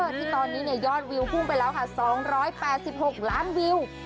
ที่ตอนนี้เนี่ยยอดวิวพุ่งไปแล้วค่ะสองร้อยแปดสิบหกล้านวิว